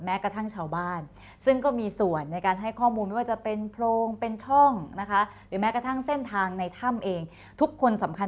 กระทั่งชาวบ้านซึ่งก็มีส่วนในการให้ข้อมูลไม่ว่าจะเป็นโพรงเป็นช่องนะคะหรือแม้กระทั่งเส้นทางในถ้ำเองทุกคนสำคัญ